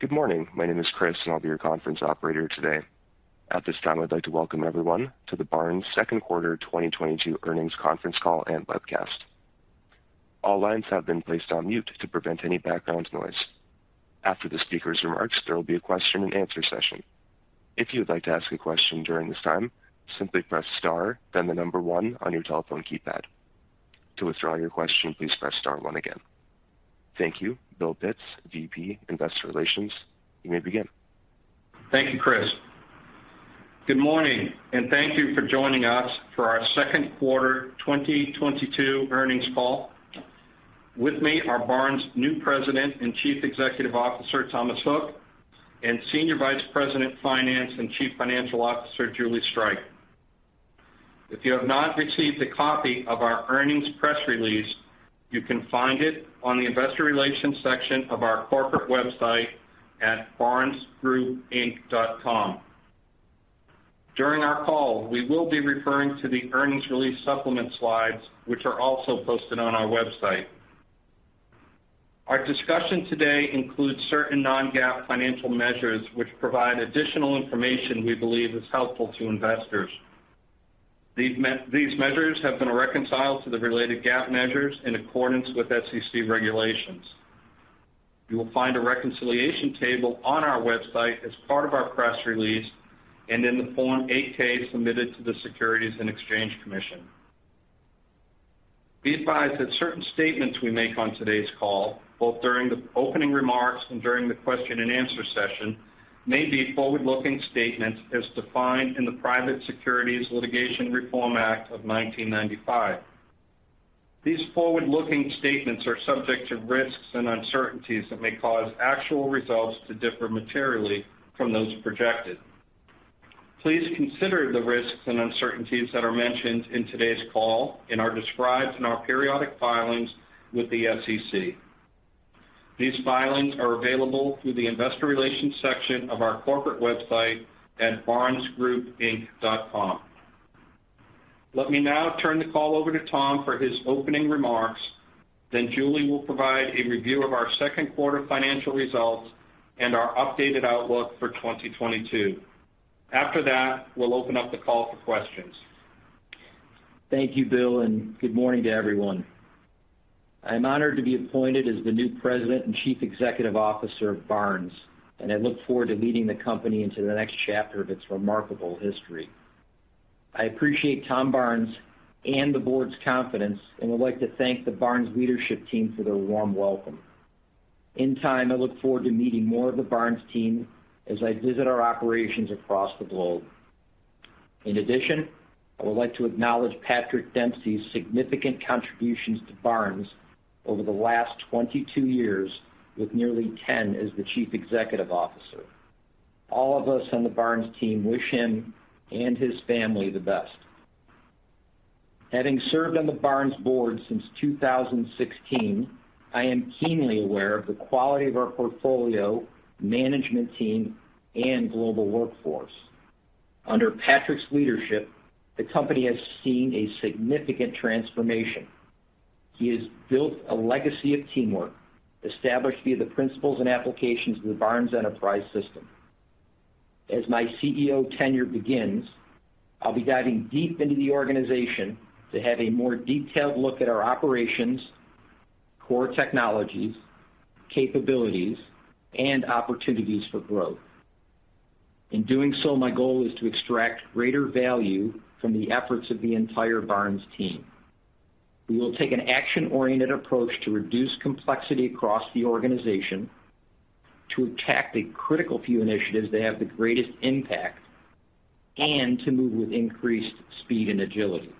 Good morning. My name is Chris, and I'll be your conference operator today. At this time, I'd like to welcome everyone to the Barnes second quarter 2022 earnings conference call and webcast. All lines have been placed on mute to prevent any background noise. After the speaker's remarks, there will be a question-and-answer session. If you'd like to ask a question during this time, simply press star, then the number one on your telephone keypad. To withdraw your question, please press star one again. Thank you. Bill Pitts, VP, Investor Relations, you may begin. Thank you, Chris. Good morning, and thank you for joining us for our second quarter 2022 earnings call. With me are Barnes' new President and Chief Executive Officer, Thomas Hook, and Senior Vice President, Finance and Chief Financial Officer, Julie Streich. If you have not received a copy of our earnings press release, you can find it on the investor relations section of our corporate website at barnesgroupinc.com. During our call, we will be referring to the earnings release supplement slides, which are also posted on our website. Our discussion today includes certain non-GAAP financial measures which provide additional information we believe is helpful to investors. These measures have been reconciled to the related GAAP measures in accordance with SEC regulations. You will find a reconciliation table on our website as part of our press release and in the Form 8-K submitted to the Securities and Exchange Commission. Be advised that certain statements we make on today's call, both during the opening remarks and during the question-and-answer session, may be forward-looking statements as defined in the Private Securities Litigation Reform Act of 1995. These forward-looking statements are subject to risks and uncertainties that may cause actual results to differ materially from those projected. Please consider the risks and uncertainties that are mentioned in today's call and are described in our periodic filings with the SEC. These filings are available through the investor relations section of our corporate website at barnesgroupinc.com. Let me now turn the call over to Tom for his opening remarks. Julie will provide a review of our second quarter financial results and our updated outlook for 2022. After that, we'll open up the call for questions. Thank you, Bill, and good morning to everyone. I'm honored to be appointed as the new President and Chief Executive Officer of Barnes, and I look forward to leading the company into the next chapter of its remarkable history. I appreciate Tom Barnes and the board's confidence and would like to thank the Barnes leadership team for their warm welcome. In time, I look forward to meeting more of the Barnes team as I visit our operations across the globe. In addition, I would like to acknowledge Patrick Dempsey's significant contributions to Barnes over the last 22 years, with nearly 10 as the Chief Executive Officer. All of us on the Barnes team wish him and his family the best. Having served on the Barnes board since 2016, I am keenly aware of the quality of our portfolio, management team, and global workforce. Under Patrick's leadership, the company has seen a significant transformation. He has built a legacy of teamwork, established via the principles and applications of the Barnes Enterprise System. As my CEO tenure begins, I'll be diving deep into the organization to have a more detailed look at our operations, core technologies, capabilities, and opportunities for growth. In doing so, my goal is to extract greater value from the efforts of the entire Barnes team. We will take an action-oriented approach to reduce complexity across the organization, to attack the critical few initiatives that have the greatest impact, and to move with increased speed and agility.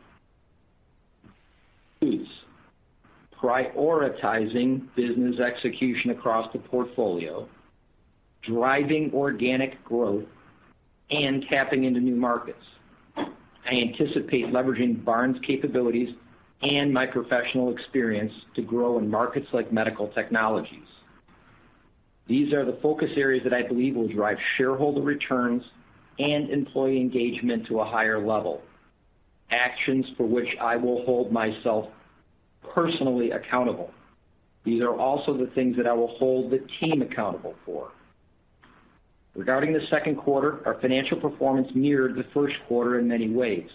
Prioritizing business execution across the portfolio, driving organic growth, and tapping into new markets. I anticipate leveraging Barnes' capabilities and my professional experience to grow in markets like medical technologies. These are the focus areas that I believe will drive shareholder returns and employee engagement to a higher level, actions for which I will hold myself personally accountable. These are also the things that I will hold the team accountable for. Regarding the second quarter, our financial performance mirrored the first quarter in many ways.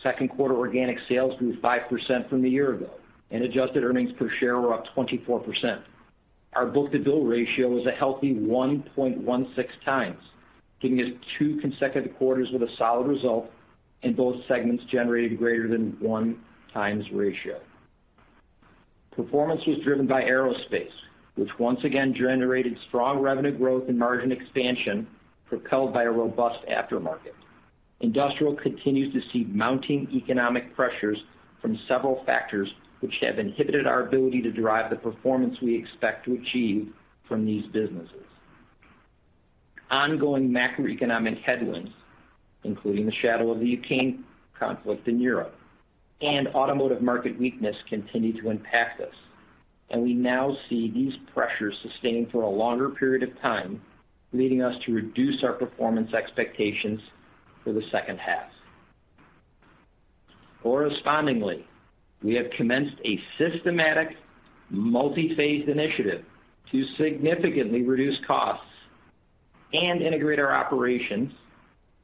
Second quarter organic sales grew 5% from the year-ago, and adjusted earnings per share were up 24%. Our book-to-bill ratio was a healthy 1.16 times, giving us two consecutive quarters with a solid result, and both segments generated greater than 1x ratio. Performance was driven by Aerospace, which once again generated strong revenue growth and margin expansion, propelled by a robust aftermarket. Industrial continues to see mounting economic pressures from several factors, which have inhibited our ability to derive the performance we expect to achieve from these businesses. Ongoing macroeconomic headwinds, including the shadow of the Ukraine conflict in Europe and automotive market weakness, continue to impact us, and we now see these pressures sustaining for a longer period of time, leading us to reduce our performance expectations for the second half. Correspondingly, we have commenced a systematic multi-phased initiative to significantly reduce costs and integrate our operations,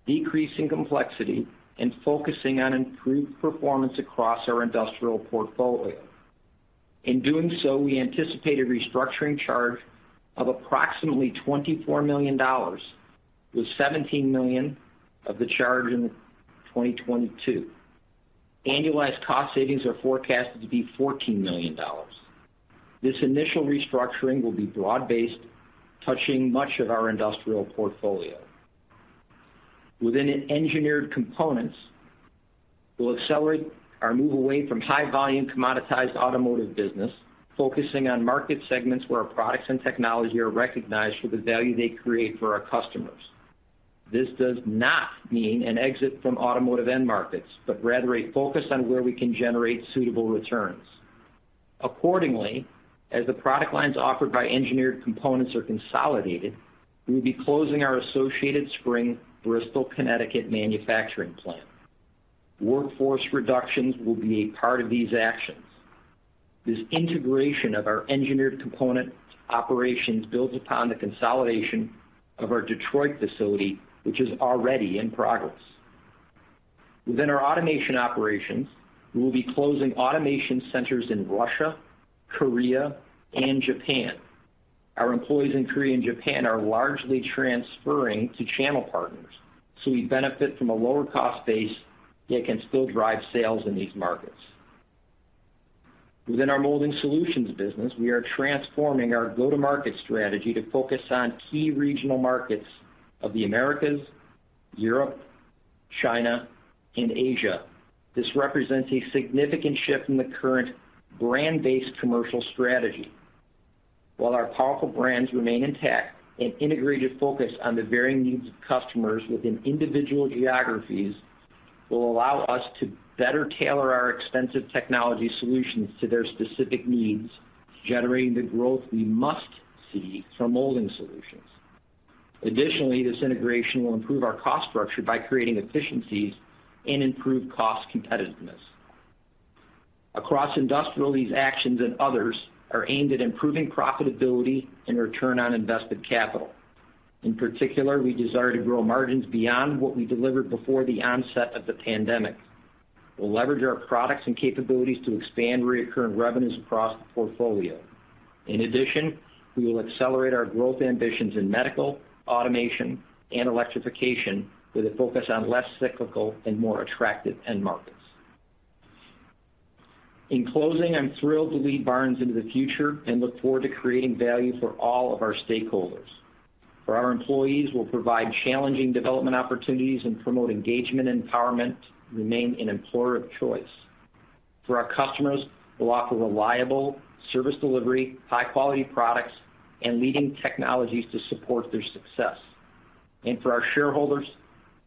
decreasing complexity and focusing on improved performance across our industrial portfolio. In doing so, we anticipate a restructuring charge of approximately $24 million, with $17 million of the charge in 2022. Annualized cost savings are forecasted to be $14 million. This initial restructuring will be broad-based, touching much of our industrial portfolio. Within Engineered Components, we'll accelerate our move away from high-volume commoditized automotive business, focusing on market segments where our products and technology are recognized for the value they create for our customers. This does not mean an exit from automotive end markets, but rather a focus on where we can generate suitable returns. Accordingly, as the product lines offered by Engineered Components are consolidated, we will be closing our Associated Spring, Bristol, Connecticut, manufacturing plant. Workforce reductions will be a part of these actions. This integration of our Engineered Components operations builds upon the consolidation of our Detroit facility, which is already in progress. Within our Automation operations, we will be closing Automation centers in Russia, Korea, and Japan. Our employees in Korea and Japan are largely transferring to channel partners, so we benefit from a lower cost base, yet can still drive sales in these markets. Within our Molding Solutions business, we are transforming our go-to-market strategy to focus on key regional markets of the Americas, Europe, China, and Asia. This represents a significant shift in the current brand-based commercial strategy. While our powerful brands remain intact, an integrated focus on the varying needs of customers within individual geographies will allow us to better tailor our extensive technology solutions to their specific needs, generating the growth we must see from Barnes Molding Solutions. Additionally, this integration will improve our cost structure by creating efficiencies and improve cost competitiveness. Across Barnes Industrial, these actions and others are aimed at improving profitability and return on invested capital. In particular, we desire to grow margins beyond what we delivered before the onset of the pandemic. We'll leverage our products and capabilities to expand reoccurring revenues across the portfolio. In addition, we will accelerate our growth ambitions in medical, automation, and electrification with a focus on less cyclical and more attractive end markets. In closing, I'm thrilled to lead Barnes into the future and look forward to creating value for all of our stakeholders. For our employees, we'll provide challenging development opportunities and promote engagement and empowerment to remain an employer of choice. For our customers, we'll offer reliable service delivery, high-quality products, and leading technologies to support their success. For our shareholders,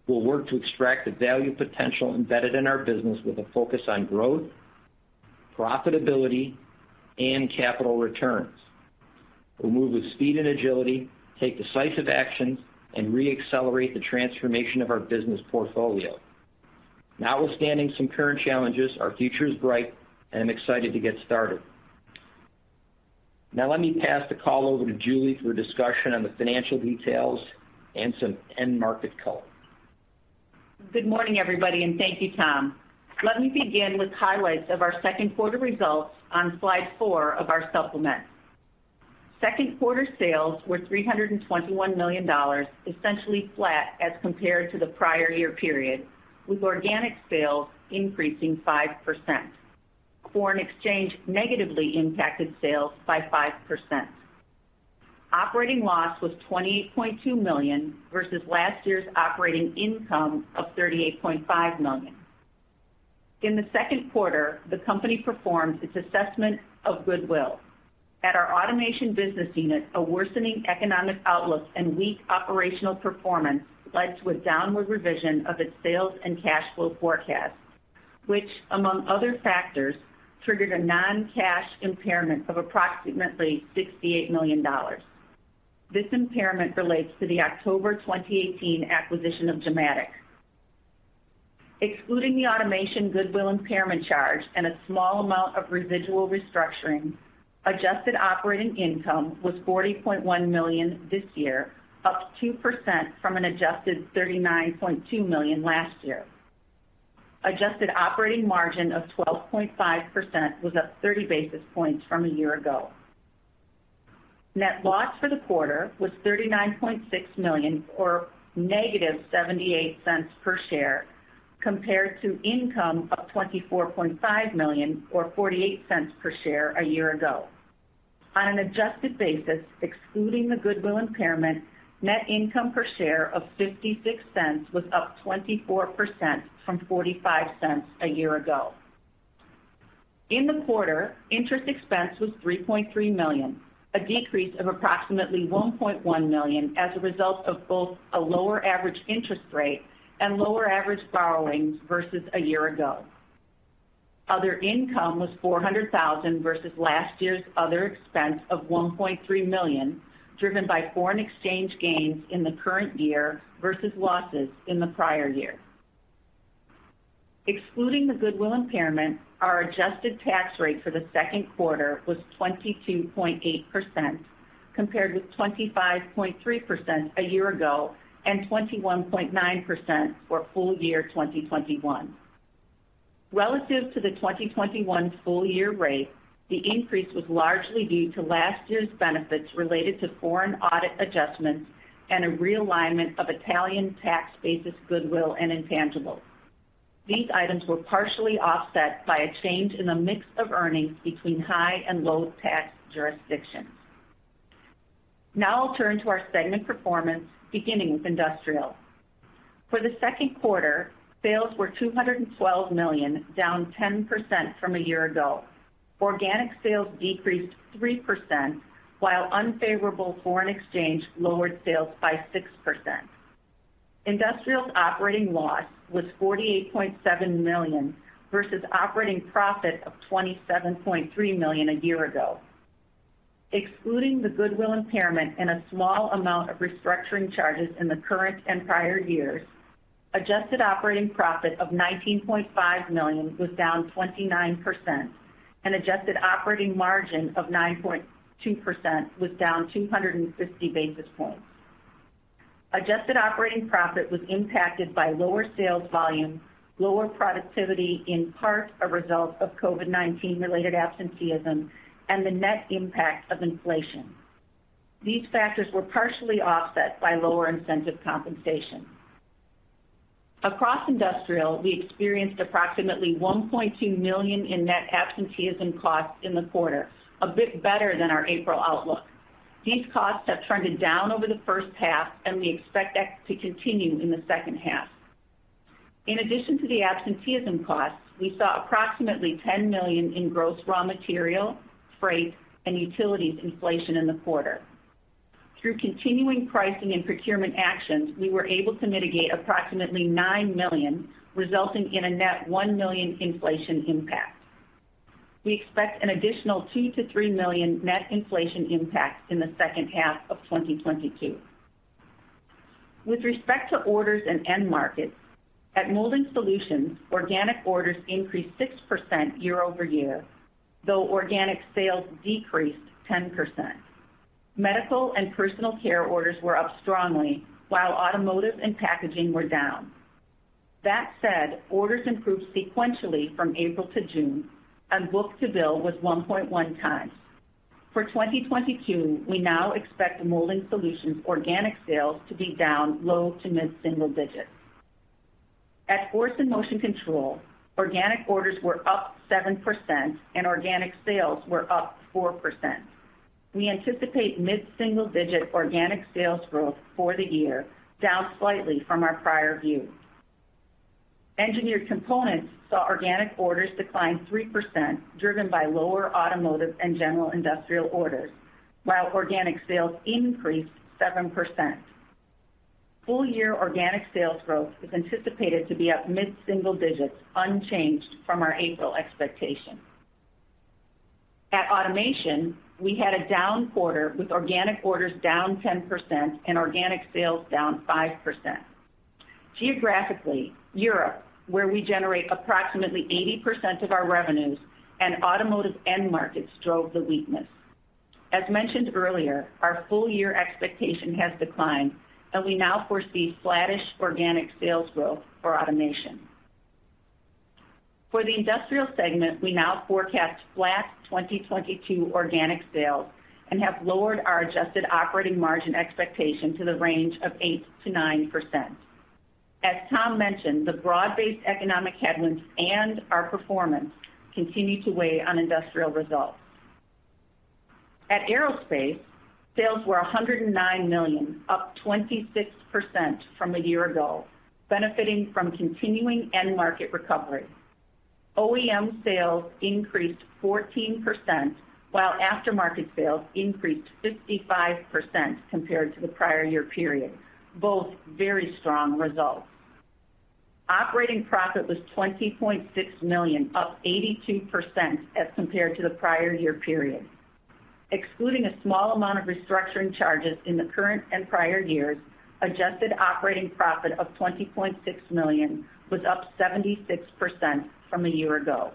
we'll work to extract the value potential embedded in our business with a focus on growth, profitability, and capital returns. We'll move with speed and agility, take decisive actions, and re-accelerate the transformation of our business portfolio. Notwithstanding some current challenges, our future is bright, and I'm excited to get started. Now let me pass the call over to Julie for a discussion on the financial details and some end market color. Good morning, everybody, and thank you, Tom. Let me begin with highlights of our second quarter results on slide four of our supplement. Second quarter sales were $321 million, essentially flat as compared to the prior year period, with organic sales increasing 5%. Foreign exchange negatively impacted sales by 5%. Operating loss was $28.2 million versus last year's operating income of $38.5 million. In the second quarter, the company performed its assessment of goodwill. At our automation business unit, a worsening economic outlook and weak operational performance led to a downward revision of its sales and cash flow forecast, which among other factors triggered a non-cash impairment of approximately $68 million. This impairment relates to the October 2018 acquisition of Gimatic. Excluding the automation goodwill impairment charge and a small amount of residual restructuring, adjusted operating income was $40.1 million this year, up 2% from an adjusted $39.2 million last year. Adjusted operating margin of 12.5% was up 30 basis points from a year ago. Net loss for the quarter was $39.6 million, or -$0.78 per share, compared to income of $24.5 million, or $0.48 per share a year ago. On an adjusted basis, excluding the goodwill impairment, net income per share of $0.56 was up 24% from $0.45 a year ago. In the quarter, interest expense was $3.3 million, a decrease of approximately $1.1 million as a result of both a lower average interest rate and lower average borrowings versus a year ago. Other income was $400,000 versus last year's other expense of $1.3 million, driven by foreign exchange gains in the current year versus losses in the prior year. Excluding the goodwill impairment, our adjusted tax rate for the second quarter was 22.8%, compared with 25.3% a year ago and 21.9% for full year 2021. Relative to the 2021 full year rate, the increase was largely due to last year's benefits related to foreign audit adjustments and a realignment of Italian tax basis goodwill and intangibles. These items were partially offset by a change in the mix of earnings between high and low tax jurisdictions. Now I'll turn to our segment performance, beginning with Industrial. For the second quarter, sales were $212 million, down 10% from a year ago. Organic sales decreased 3%, while unfavorable foreign exchange lowered sales by 6%. Industrial's operating loss was $48.7 million versus operating profit of $27.3 million a year ago. Excluding the goodwill impairment and a small amount of restructuring charges in the current and prior years, adjusted operating profit of $19.5 million was down 29% and adjusted operating margin of 9.2% was down 250 basis points. Adjusted operating profit was impacted by lower sales volume, lower productivity in part as a result of COVID-19 related absenteeism, and the net impact of inflation. These factors were partially offset by lower incentive compensation. Across Industrial, we experienced approximately $1.2 million in net absenteeism costs in the quarter, a bit better than our April outlook. These costs have trended down over the first half, and we expect that to continue in the second half. In addition to the absenteeism costs, we saw approximately $10 million in gross raw material, freight, and utilities inflation in the quarter. Through continuing pricing and procurement actions, we were able to mitigate approximately $9 million, resulting in a net $1 million inflation impact. We expect an additional $2 million-$3 million net inflation impact in the second half of 2022. With respect to orders and end markets, at Molding Solutions, organic orders increased 6% year over year, though organic sales decreased 10%. Medical and personal care orders were up strongly, while automotive and packaging were down. That said, orders improved sequentially from April to June, and book-to-bill was 1.1 times. For 2022, we now expect Molding Solutions organic sales to be down low to mid-single digits. At Force and Motion Control, organic orders were up 7% and organic sales were up 4%. We anticipate mid-single-digit organic sales growth for the year, down slightly from our prior view. Engineered Components saw organic orders decline 3%, driven by lower automotive and general industrial orders, while organic sales increased 7%. Full-year organic sales growth is anticipated to be up mid-single digits, unchanged from our April expectation. At Automation, we had a down quarter with organic orders down 10% and organic sales down 5%. Geographically, Europe, where we generate approximately 80% of our revenues and automotive end markets drove the weakness. As mentioned earlier, our full-year expectation has declined, and we now foresee flattish organic sales growth for Automation. For the Industrial segment, we now forecast flat 2022 organic sales and have lowered our adjusted operating margin expectation to the range of 8%-9%. As Tom mentioned, the broad-based economic headwinds and our performance continue to weigh on Industrial results. At Aerospace, sales were $109 million, up 26% from a year ago, benefiting from continuing end market recovery. OEM sales increased 14%, while aftermarket sales increased 55% compared to the prior year period. Both very strong results. Operating profit was $20.6 million, up 82% as compared to the prior year period. Excluding a small amount of restructuring charges in the current and prior years, adjusted operating profit of $20.6 million was up 76% from a year ago.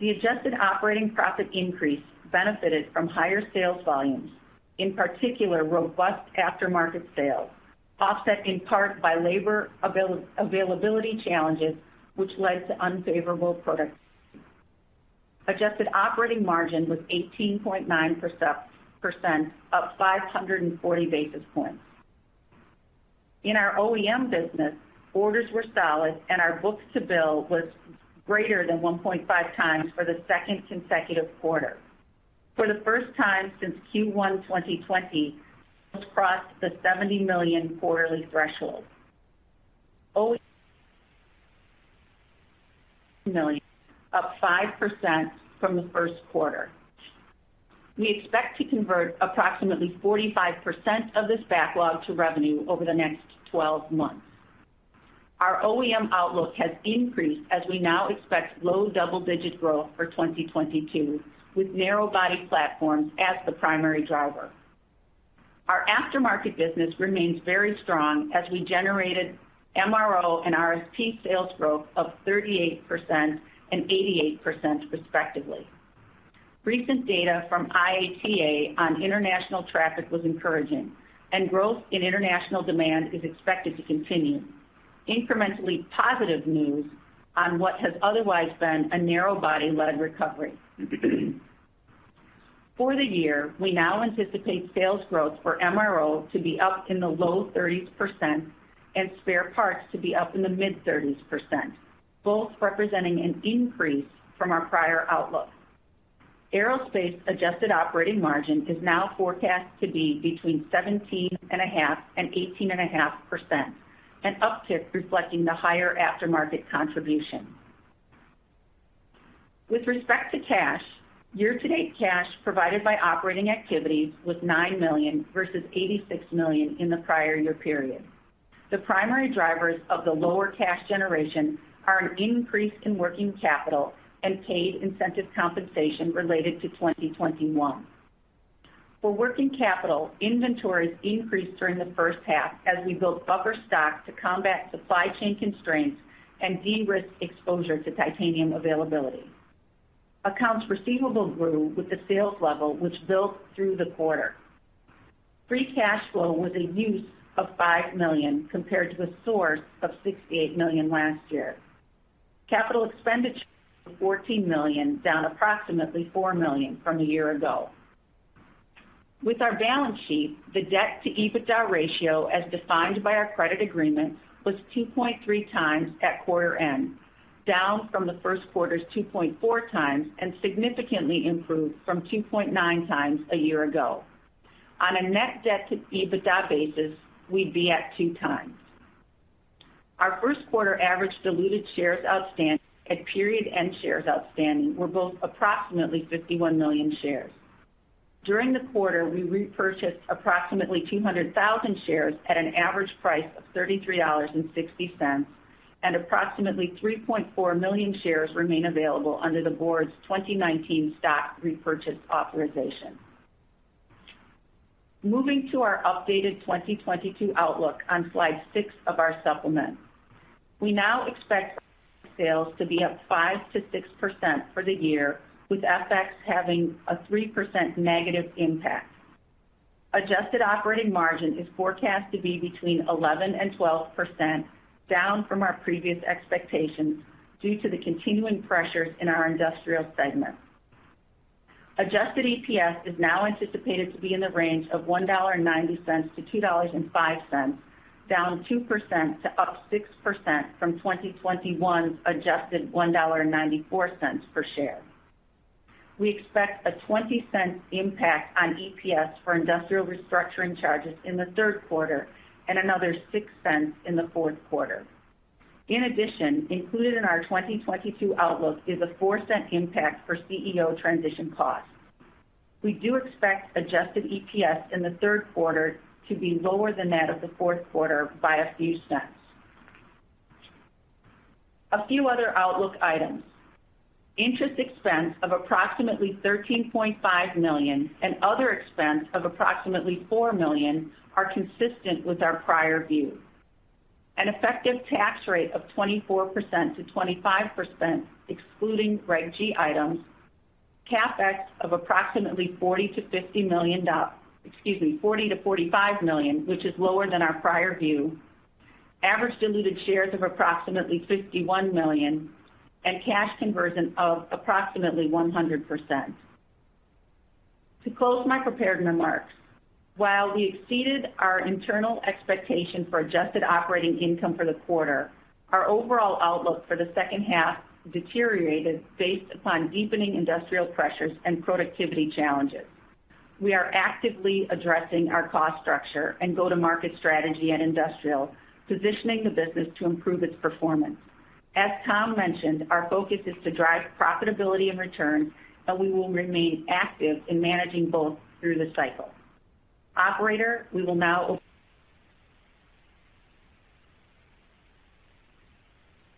The adjusted operating profit increase benefited from higher sales volumes, in particular robust aftermarket sales, offset in part by labor availability challenges which led to unfavorable product. Adjusted operating margin was 18.9%, up 540 basis points. In our OEM business, orders were solid and our book-to-bill was greater than 1.5 times for the second consecutive quarter. For the first time since Q1 2020, we crossed the $70 million quarterly threshold. OEM million, up 5% from the first quarter. We expect to convert approximately 45% of this backlog to revenue over the next 12 months. Our OEM outlook has increased as we now expect low double-digit growth for 2022, with narrow-body platforms as the primary driver. Our aftermarket business remains very strong as we generated MRO and RSP sales growth of 38% and 88% respectively. Recent data from IATA on international traffic was encouraging, and growth in international demand is expected to continue. Incrementally positive news on what has otherwise been a narrow-body-led recovery. For the year, we now anticipate sales growth for MRO to be up in the low 30s% and spare parts to be up in the mid 30s%, both representing an increase from our prior outlook. Aerospace adjusted operating margin is now forecast to be between 17.5% and 18.5%, an uptick reflecting the higher aftermarket contribution. With respect to cash, year-to-date cash provided by operating activities was $9 million versus $86 million in the prior year period. The primary drivers of the lower cash generation are an increase in working capital and paid incentive compensation related to 2021. For working capital, inventories increased during the first half as we built buffer stock to combat supply chain constraints and de-risk exposure to titanium availability. Accounts receivable grew with the sales level, which built through the quarter. Free cash flow was a use of $5 million compared to a source of $68 million last year. Capital expenditure, $14 million, down approximately $4 million from a year ago. With our balance sheet, the debt to EBITDA ratio, as defined by our credit agreement, was 2.3 times at quarter end, down from the first quarter's 2.4 times and significantly improved from 2.9 times a year ago. On a net debt to EBITDA basis, we'd be at 2 times. Our first quarter average diluted shares outstanding at period end shares outstanding were both approximately 51 million shares. During the quarter, we repurchased approximately 200,000 shares at an average price of $33.60, and approximately 3.4 million shares remain available under the board's 2019 stock repurchase authorization. Moving to our updated 2022 outlook on slide six our supplement. We now expect sales to be up 5%-6% for the year, with FX having a 3% negative impact. Adjusted operating margin is forecast to be between 11%-12%, down from our previous expectations due to the continuing pressures in our industrial segment. Adjusted EPS is now anticipated to be in the range of $1.90-$2.05, down 2% to up 6% from 2021's adjusted $1.94 per share. We expect a $0.20 impact on EPS for industrial restructuring charges in the third quarter and another $0.06 in the fourth quarter. In addition, included in our 2022 outlook is a $0.04 impact for CEO transition costs. We do expect adjusted EPS in the third quarter to be lower than that of the fourth quarter by a few cents. A few other outlook items. Interest expense of approximately $13.5 million and other expense of approximately $4 million are consistent with our prior view. An effective tax rate of 24%-25%, excluding Reg G items, CapEx of approximately $40 million-$45 million, excuse me, which is lower than our prior view. Average diluted shares of approximately 51 million and cash conversion of approximately 100%. To close my prepared remarks, while we exceeded our internal expectation for adjusted operating income for the quarter, our overall outlook for the second half deteriorated based upon deepening industrial pressures and productivity challenges. We are actively addressing our cost structure and go-to-market strategy at Industrial, positioning the business to improve its performance. As Tom mentioned, our focus is to drive profitability and return, and we will remain active in managing both through the cycle. Operator, we will now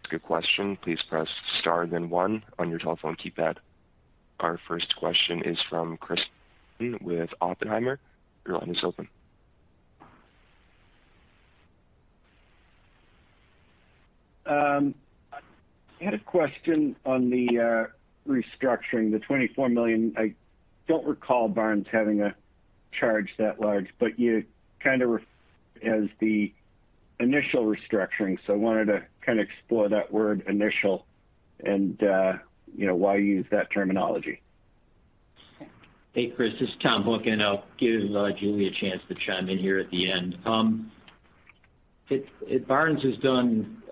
Good question. Please press star then one on your telephone keypad. Our first question is from Chris with Oppenheimer. Your line is open. I had a question on the restructuring, the $24 million. I don't recall Barnes having a charge that large, but you kind of as the initial restructuring. I wanted to kind of explore that word initial and why you use that terminology. Hey, Chris, this is Tom Hook, and I'll give Julie Streich a chance to chime in here at the end. Barnes has done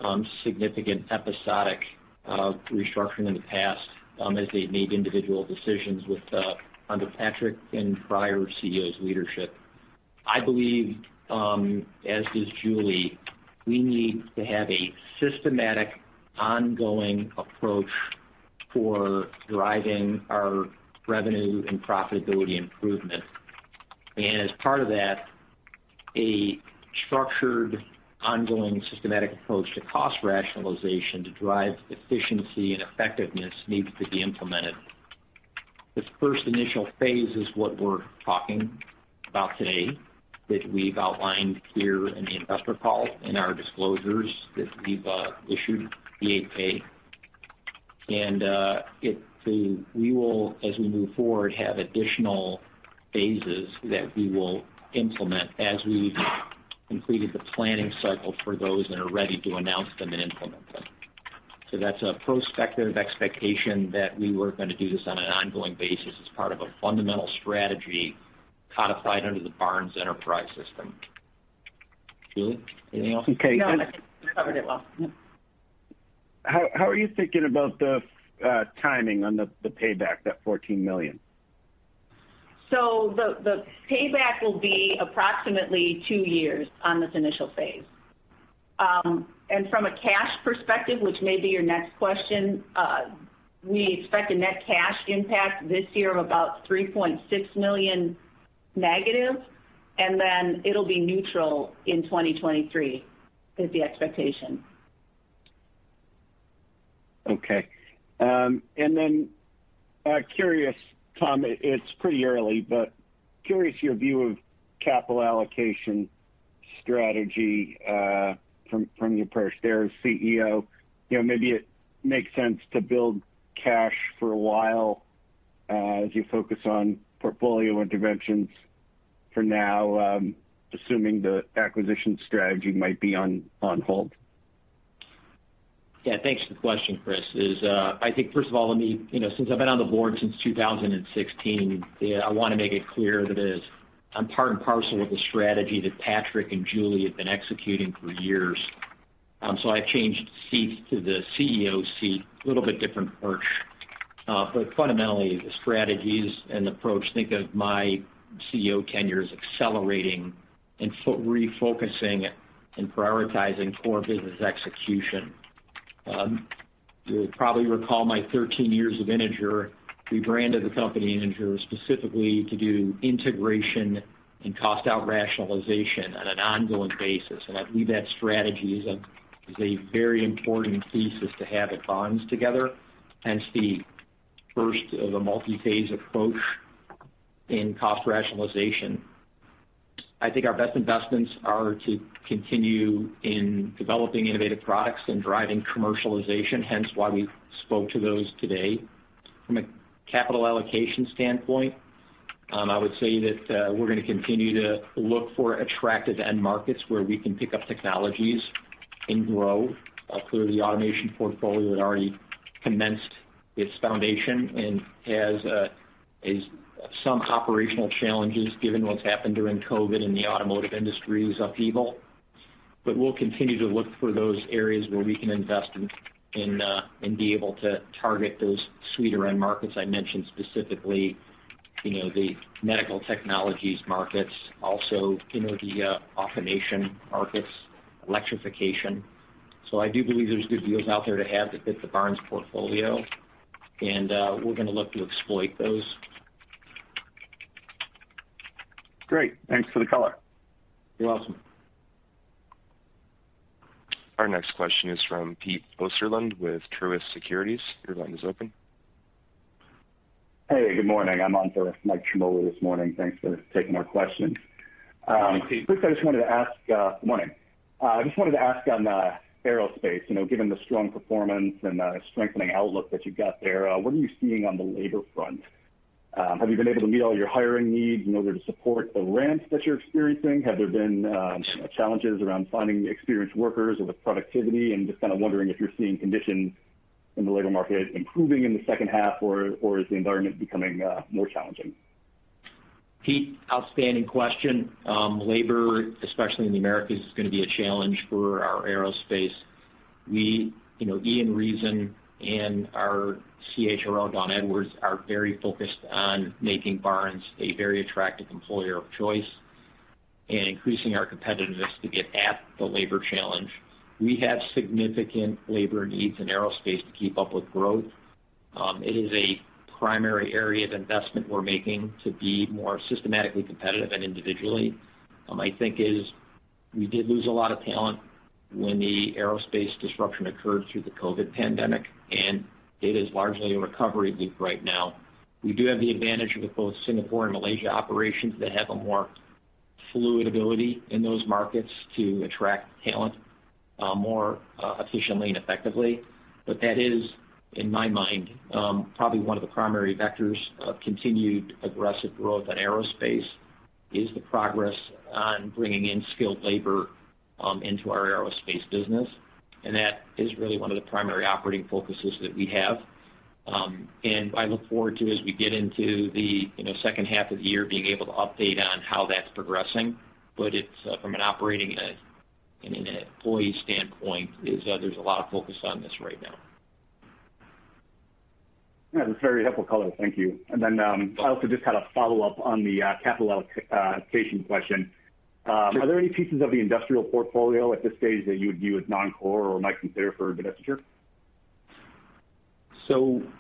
significant episodic restructuring in the past, as they've made individual decisions under Patrick Dempsey and prior CEOs' leadership. I believe, as does Julie Streich, we need to have a systematic ongoing approach for driving our revenue and profitability improvement. As part of that, a structured ongoing systematic approach to cost rationalization to drive efficiency and effectiveness needs to be implemented. This first initial phase is what we're talking about today that we've outlined here in the investor call in our disclosures that we've issued, the 8-K. We will, as we move forward, have additional phases that we will implement as we've completed the planning cycle for those and are ready to announce them and implement them. That's a prospective expectation that we were gonna do this on an ongoing basis as part of a fundamental strategy codified under the Barnes Enterprise System. Julie, anything else? No, I think you covered it well. How are you thinking about the timing on the payback, that $14 million? The payback will be approximately two years on this initial phase. From a cash perspective, which may be your next question, we expect a net cash impact this year of about $3.6 million negative, and then it'll be neutral in 2023, is the expectation. Okay. Curious, Tom, it's pretty early, but curious your view of capital allocation strategy from your perspective as CEO. You know, maybe it makes sense to build cash for a while as you focus on portfolio interventions for now, assuming the acquisition strategy might be on hold. Yeah, thanks for the question, Chris. I think first of all, let me, you know, since I've been on the board since 2016, I wanna make it clear that I'm part and parcel with the strategy that Patrick and Julie have been executing for years. So I changed seats to the CEO seat, a little bit different perch. But fundamentally, the strategies and approach, think of my CEO tenure as accelerating and refocusing and prioritizing core business execution. You'll probably recall my 13 years of Integer. We branded the company Integer specifically to do integration and cost out rationalization on an ongoing basis. I believe that strategy is a very important piece to have at Barnes together, hence the first of a multi-phase approach in cost rationalization. I think our best investments are to continue in developing innovative products and driving commercialization, hence why we spoke to those today. From a capital allocation standpoint, I would say that, we're gonna continue to look for attractive end markets where we can pick up technologies and grow. Clearly, the automation portfolio had already commenced its foundation and has some operational challenges given what's happened during COVID and the automotive industry's upheaval. We'll continue to look for those areas where we can invest in and be able to target those sweeter end markets. I mentioned specifically, you know, the medical technologies markets, also, you know, the automation markets, electrification. I do believe there's good deals out there to have that fit the Barnes portfolio, and we're gonna look to exploit those. Great. Thanks for the color. You're welcome. Our next question is from Peter Osterland with Truist Securities. Your line is open. Hey, good morning. I'm on for Michael Ciarmoli this morning. Thanks for taking our question. First, I just wanted to ask on aerospace. You know, given the strong performance and strengthening outlook that you've got there, what are you seeing on the labor front? Have you been able to meet all your hiring needs in order to support the ramps that you're experiencing? Have there been challenges around finding experienced workers or with productivity? Just kinda wondering if you're seeing conditions in the labor market improving in the second half or is the environment becoming more challenging? Pete, outstanding question. Labor, especially in the Americas, is gonna be a challenge for our aerospace. You know, Ian Reason and our CHRO, Don Edwards, are very focused on making Barnes a very attractive employer of choice and increasing our competitiveness to get at the labor challenge. We have significant labor needs in aerospace to keep up with growth. It is a primary area of investment we're making to be more systematically competitive and individually. I think as we did lose a lot of talent when the aerospace disruption occurred through the COVID pandemic, and today is largely a recovery right now. We do have the advantage with both Singapore and Malaysia operations that have a more fluid ability in those markets to attract talent, more efficiently and effectively. That is, in my mind, probably one of the primary vectors of continued aggressive growth on aerospace, is the progress on bringing in skilled labor into our aerospace business. That is really one of the primary operating focuses that we have. I look forward to as we get into the, you know, second half of the year being able to update on how that's progressing. It's from an operating and an employee standpoint is, there's a lot of focus on this right now. Yeah, that's a very helpful color. Thank you. I also just had a follow-up on the capital allocation question. Are there any pieces of the industrial portfolio at this stage that you would view as non-core or might consider for divestiture?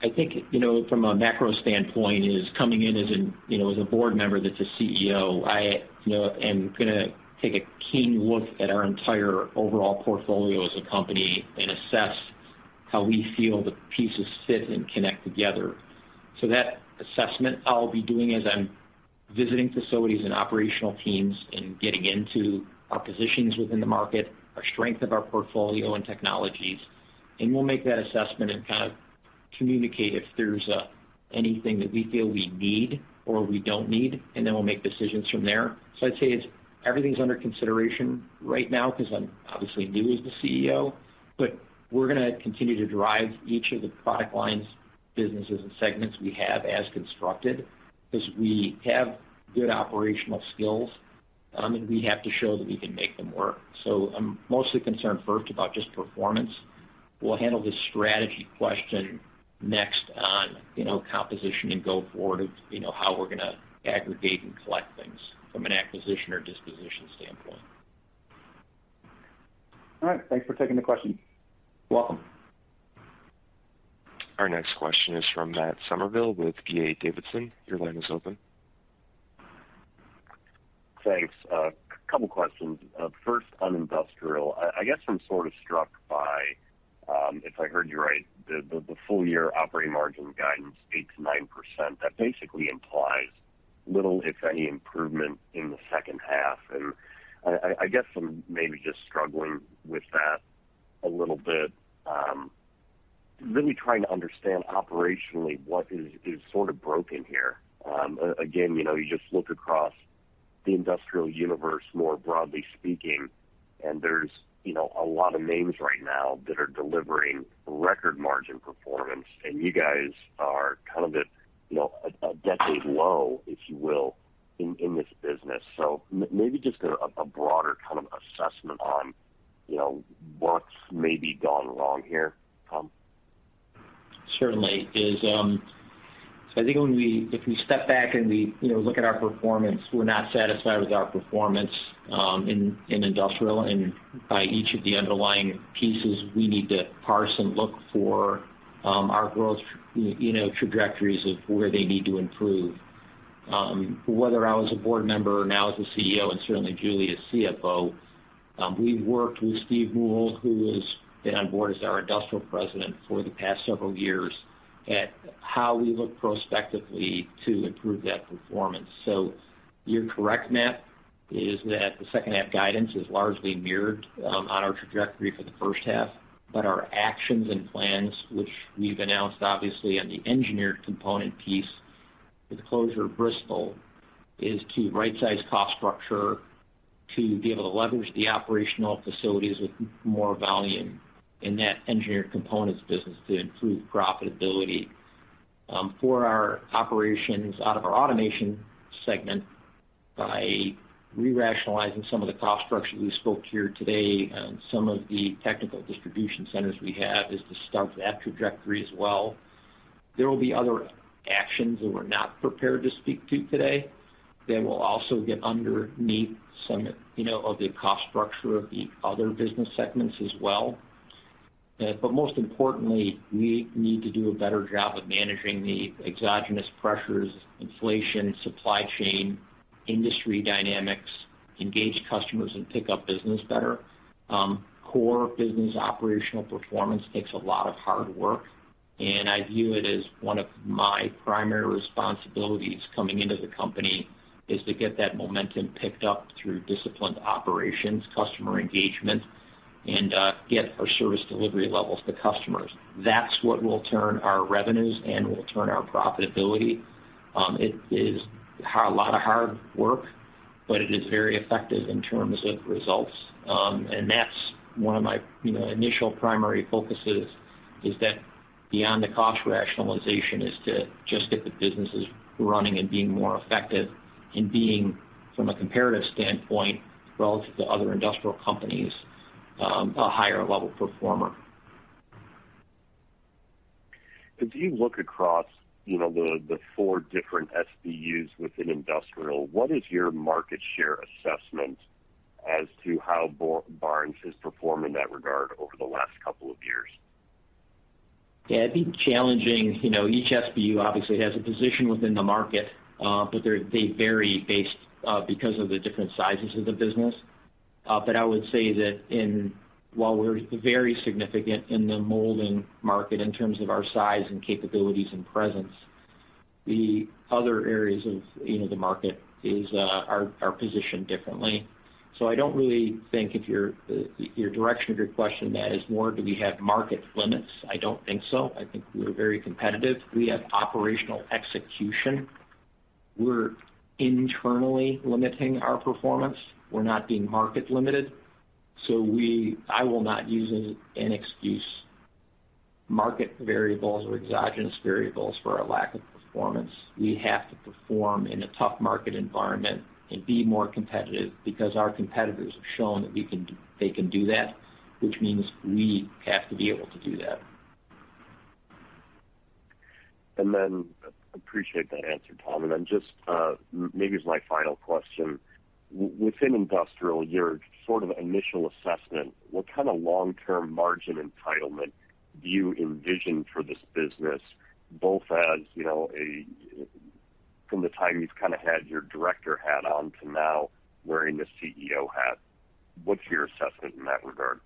I think, you know, from a macro standpoint coming in as an, you know, as a board member that's a CEO, I, you know, am gonna take a keen look at our entire overall portfolio as a company and assess how we feel the pieces fit and connect together. That assessment I'll be doing as I'm visiting facilities and operational teams and getting into our positions within the market, our strength of our portfolio and technologies, and we'll make that assessment and kind of communicate if there's anything that we feel we need or we don't need, and then we'll make decisions from there. I'd say it's everything's under consideration right now because I'm obviously new as the CEO, but we're gonna continue to drive each of the product lines, businesses, and segments we have as constructed because we have good operational skills, and we have to show that we can make them work. I'm mostly concerned first about just performance. We'll handle the strategy question next on, you know, composition and go forward of, you know, how we're gonna aggregate and collect things from an acquisition or disposition standpoint. All right. Thanks for taking the question. Welcome. Our next question is from Matt Summerville with D.A. Davidson. Your line is open. Thanks. A couple questions. First on industrial. I guess I'm sort of struck by, if I heard you right, the full-year operating margin guidance 8%-9%. That basically implies little, if any, improvement in the second half. I guess I'm maybe just struggling with that a little bit. Really trying to understand operationally what is sort of broken here. Again, you know, you just look across the industrial universe, more broadly speaking, and there's, you know, a lot of names right now that are delivering record margin performance, and you guys are kind of at, you know, a decade low, if you will, in this business. Maybe just a broader kind of assessment on, you know, what's maybe gone wrong here, Tom. Certainly. I think if we step back and we, you know, look at our performance, we're not satisfied with our performance in industrial. By each of the underlying pieces, we need to parse and look for our growth, you know, trajectories of where they need to improve. Whether I was a board member or now as a CEO, and certainly Julie as CFO, we've worked with Stephen Moule, who has been on board as our industrial president for the past several years, at how we look prospectively to improve that performance. You're correct, Matt, is that the second half guidance is largely mirrored on our trajectory for the first half. Our actions and plans, which we've announced obviously on the Engineered Components piece with the closure of Bristol, is to rightsize cost structure to be able to leverage the operational facilities with more volume in that Engineered Components business to improve profitability. For our operations out of our Automation segment by re-rationalizing some of the cost structure we spoke to here today on some of the technical distribution centers we have is to start that trajectory as well. There will be other actions that we're not prepared to speak to today that will also get underneath some, you know, of the cost structure of the other business segments as well. Most importantly, we need to do a better job of managing the exogenous pressures, inflation, supply chain, industry dynamics, engage customers, and pick up business better. Core business operational performance takes a lot of hard work, and I view it as one of my primary responsibilities coming into the company is to get that momentum picked up through disciplined operations, customer engagement, and get our service delivery levels to customers. That's what will turn our revenues and will turn our profitability. It is a lot of hard work, but it is very effective in terms of results. That's one of my, you know, initial primary focuses, is that beyond the cost rationalization is to just get the businesses running and being more effective and being, from a comparative standpoint relative to other industrial companies, a higher level performer. As you look across, you know, the four different SBUs within industrial, what is your market share assessment as to how Barnes has performed in that regard over the last couple of years? Yeah, I think challenging, you know, each SBU obviously has a position within the market, but they vary based because of the different sizes of the business. But I would say that while we're very significant in the molding market in terms of our size and capabilities and presence, the other areas of, you know, the market are positioned differently. So I don't really think if your direction of your question, Matt, is more do we have market limits? I don't think so. I think we're very competitive. We have operational execution. We're internally limiting our performance. We're not being market limited. So I will not use an excuse market variables or exogenous variables for our lack of performance. We have to perform in a tough market environment and be more competitive because our competitors have shown that they can do that, which means we have to be able to do that. Appreciate that answer, Tom. Just maybe it's my final question. Within Industrial, your sort of initial assessment, what kind of long-term margin entitlement do you envision for this business, both as, you know, from the time you've kind of had your director hat on to now wearing the CEO hat? What's your assessment in that regard?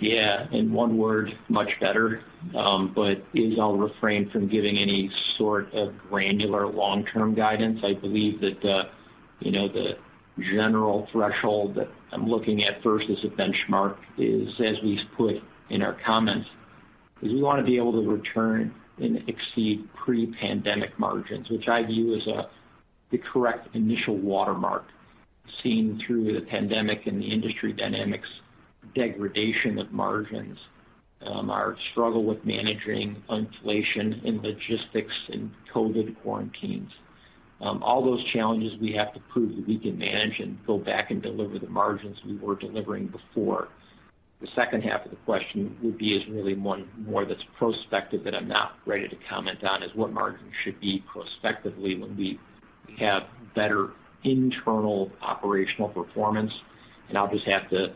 Yeah. In one word, much better. But I'll refrain from giving any sort of granular long-term guidance. I believe that, you know, the general threshold that I'm looking at first as a benchmark is, as we've put in our comments, is we want to be able to return and exceed pre-pandemic margins, which I view as the correct initial watermark seen through the pandemic and the industry dynamics degradation of margins, our struggle with managing inflation and logistics and COVID quarantines. All those challenges we have to prove that we can manage and go back and deliver the margins we were delivering before. The second half of the question would be is really one more that's prospective that I'm not ready to comment on, is what margins should be prospectively when we have better internal operational performance. I'll just have to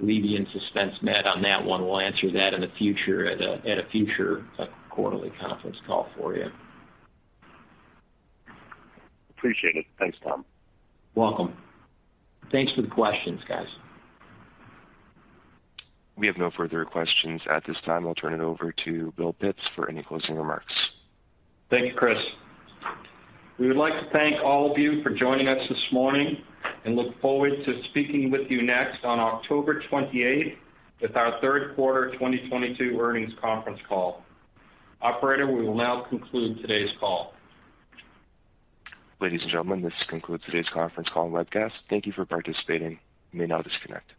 leave you in suspense, Matt, on that one. We'll answer that in the future at a future quarterly conference call for you. Appreciate it. Thanks, Tom. Welcome. Thanks for the questions, guys. We have no further questions at this time. I'll turn it over to Bill Pitts for any closing remarks. Thank you, Chris. We would like to thank all of you for joining us this morning and look forward to speaking with you next on October 28th with our third quarter 2022 earnings conference call. Operator, we will now conclude today's call. Ladies and gentlemen, this concludes today's conference call and webcast. Thank you for participating. You may now disconnect.